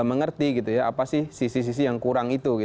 karena yang mengaudit bpk dan dia mengerti apa sih sisi sisi yang kurang itu